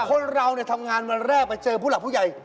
คนเราทำงานวันแรกมาเจอผู้หลักผู้ใหญ่